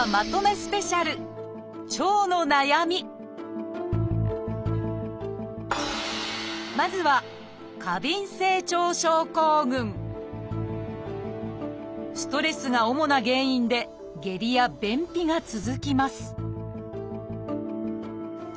スペシャルまずはストレスが主な原因で下痢や便秘が続きます